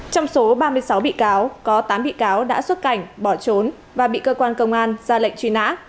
trong số ba mươi sáu bị cáo có tám bị cáo đã xuất cảnh bỏ trốn và bị cơ quan công an ra lệnh truy nã